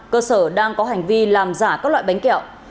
cơ sở đang có hành vi làm giả các loại bánh kẹo